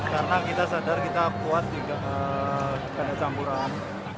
karena kita sadar kita buat ganda campuran